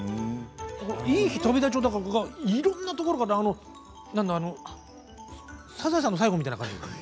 「いい日旅立ち」をいろんなところから「サザエさん」の最初みたいな感じでね。